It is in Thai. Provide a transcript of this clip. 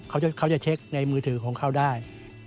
เขาจะเช็คในมือถือของเขาได้